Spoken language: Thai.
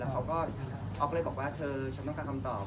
แล้วอฟกลับมาบอกว่าเธอชั้นต้องการคำตอบ